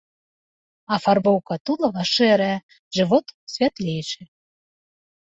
Афарбоўка тулава шэрая, жывот святлейшы.